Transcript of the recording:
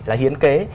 là hiến kế